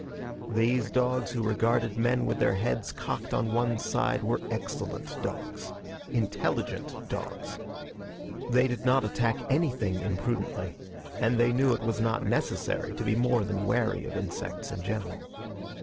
These dogs who regarded men with their heads cocked on one side were excellent dogs. Intelligent dogs. They did not attack anything imprudently, and they knew it was not necessary to be more than wary of insects in general.